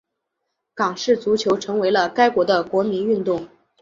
澳式足球成为了该国的国民运动。